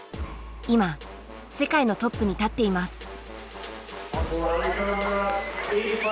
今世界のトップに立っています。